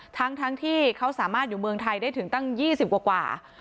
ทั้งที่เขาสามารถอยู่เมืองไทยได้ถึงตั้ง๒๐กว่า